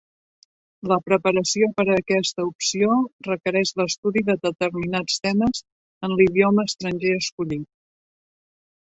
La preparació per a aquesta opció requereix l'estudi de determinats temes en l'idioma estranger escollit.